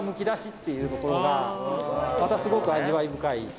っていうところがまたすごく味わい深い。